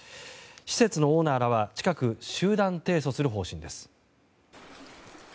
施設のオーナーらは近く集団提訴する方針です。